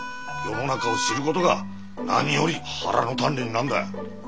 世の中を知ることが何より腹の鍛錬になるんだよ。